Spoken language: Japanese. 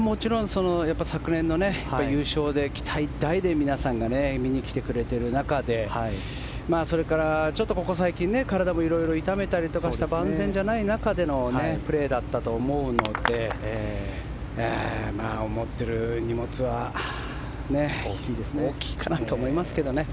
やっぱり昨年の優勝できた中で皆さんが見に来てくれている中でそれから、ここ最近体も色々痛めたりして万全じゃない中でのプレーだったと思うので思ってより荷物は大きいかなと思いますけどね。